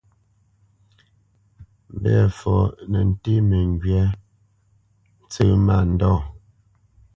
Mbɛ̂fɔ nə́ ntéé məŋgywá ntsə́ mándɔ̂.